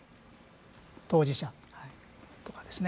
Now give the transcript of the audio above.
当事者とかですね。